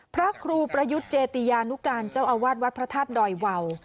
พระครูประยุทธ์เจติยานุการเจ้าอาวาสวัดพระธาตุดอยวาว